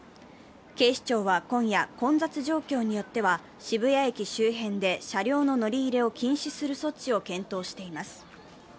警視庁は今夜、混雑状況によっては渋谷駅周辺で車両の乗り入れを禁止する措置を検討しています。